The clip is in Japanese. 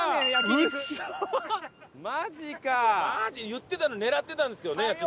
言ってた狙ってたんですけどね焼肉は。